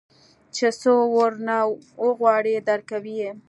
چې سه ورنه وغواړې درکوي يې.